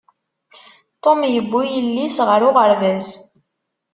Tom yewwi yelli-s ɣer uɣerbaz.